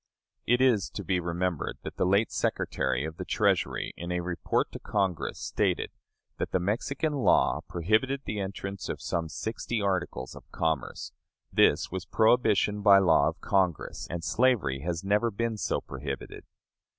It is to be remembered that the late Secretary of the Treasury, in a report to Congress, stated that the Mexican law prohibited the entrance of some sixty articles of commerce; this was prohibition by law of Congress, and slavery has never been so prohibited.